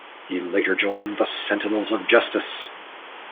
He later joined the Sentinels of Justice.